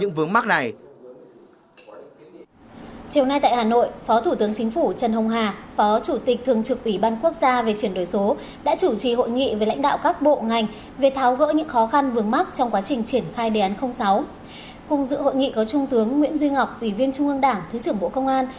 cùng giữ hội nghị có trung tướng nguyễn duy ngọc ủy viên trung ương đảng thứ trưởng bộ công an